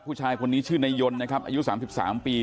ผู้ชายคนนี้ชื่อนายยนต์นะครับอายุสามสิบสามปี